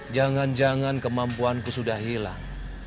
jangan jangan kemampuanku sudah hilang